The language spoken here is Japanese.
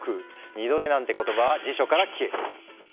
二度寝なんて言葉は辞書から消える。